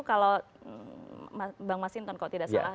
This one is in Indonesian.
kalau bang masinton kalau tidak salah